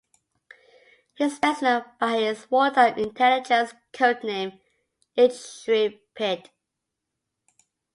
He is best known by his wartime intelligence codename Intrepid.